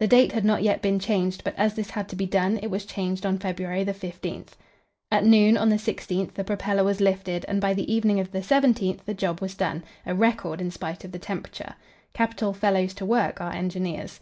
The date had not yet been changed, but as this had to be done, it was changed on February 15. At noon on the 16th the propeller was lifted, and by the evening of the 17th the job was done a record in spite of the temperature. Capital fellows to work, our engineers.